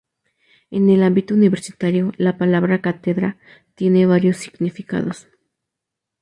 En el ámbito universitario la palabra cátedra tiene varios significados.